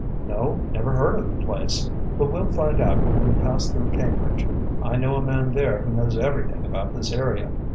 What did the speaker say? "No, never heard of the place. But we'll find out when we pass through Cambridge. I know a man there who knows everything about this area."